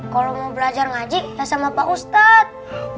kalo mau belajar ngaji ya sama pak ustad